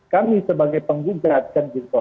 kami sebagai penggugat kan gitu